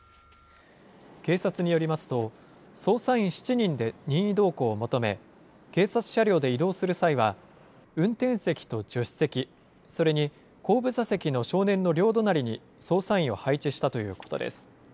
警察によりますと、捜査員７人で任意同行を求め、警察車両で移動する際は、運転席と助手席、それに後部座席の少年の両隣に捜査員を配置したということです。